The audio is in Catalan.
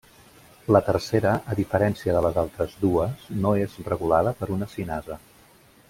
La tercera, a diferència de les altres dues, no és regulada per una cinasa.